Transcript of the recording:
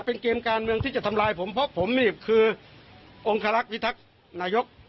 เป็นเกมการเมืองที่จะทำลายผมเพราะผมนี่คือองคารักษ์พิทักษ์นายก